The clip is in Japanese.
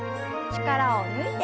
力を抜いて。